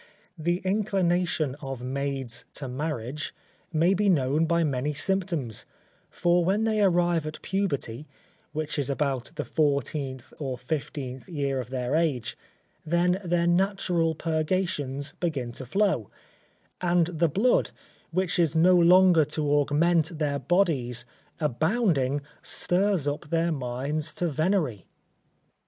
The inclination of maids to marriage may be known by many symptoms; for when they arrive at puberty, which is about the fourteenth or fifteenth year of their age, then their natural purgations begin to flow; and the blood, which is no longer to augment their bodies, abounding, stirs up their minds to venery.